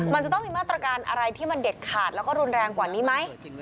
มันจะต้องมีมาตรการอะไรที่มันเด็ดขาดแล้วก็รุนแรงกว่านี้ไหม